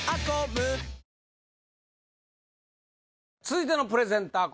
続いてのプレゼンター